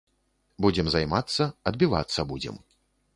Будзем займацца, адбівацца будзем.